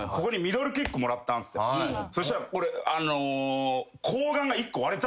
そしたら。